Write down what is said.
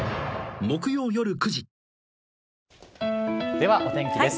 では、お天気です。